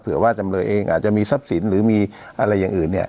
ว่าจำเลยเองอาจจะมีทรัพย์สินหรือมีอะไรอย่างอื่นเนี่ย